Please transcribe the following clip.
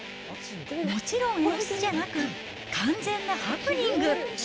もちろん演出じゃなく、完全なハプニング。